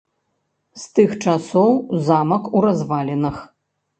З тых часоў замак у развалінах.